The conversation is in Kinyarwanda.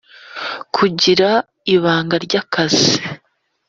kugira ibanga ry akazi